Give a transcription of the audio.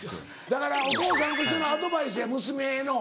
だからお父さんとしてのアドバイスや娘への。